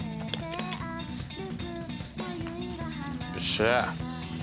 よっしゃ！